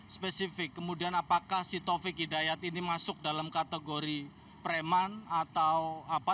spesifik kemudian apakah si taufik hidayat ini masuk dalam kategori preman atau apa